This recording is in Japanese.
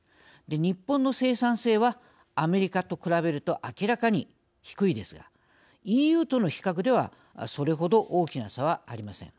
日本の生産性はアメリカと比べると明らかに低いですがＥＵとの比較ではそれほど大きな差はありません。